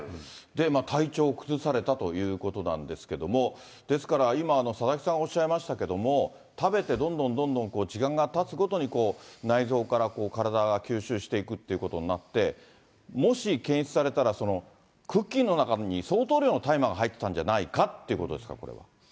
体調崩されたということなんですけども、ですから、今、佐々木さんおっしゃいましたけれども、食べてどんどんどんどん時間がたつごとに内臓から体が吸収していくということになって、もし検出されたら、クッキーの中に相当量の大麻が入っていたんじゃないかということですか、これは。